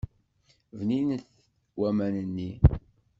Bninit waman-nni.